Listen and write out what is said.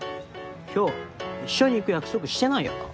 今日一緒に行く約束してないよな。